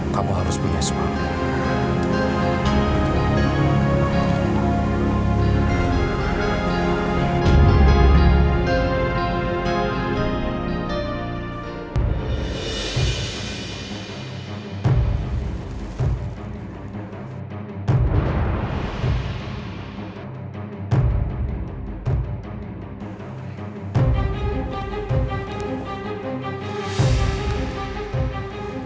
kamu harus punya semua